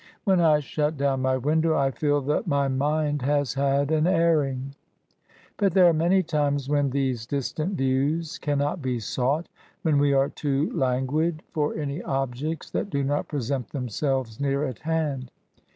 When I shut down my window, I feel that my mind has had an airing. But there are many times when these distant views cannot be sought ; when we are too languid for any objects that do not present themselves near at hand.